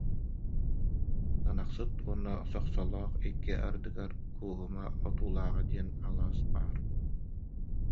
Ынахсыт уонна Сохсолоох икки ардыгар Кууһума Отуулааҕа диэн алаас баар